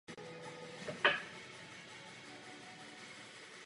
V severní oblasti poblíž obchodních center dochází k intenzivnímu stavebnímu rozmachu.